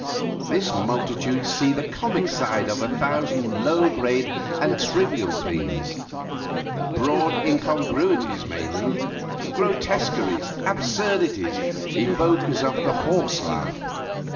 This multitude see the comic side of a thousand low grade and trivial things broad incongruities, mainly; grotesqueries, absurdities, evokers of the horse laugh.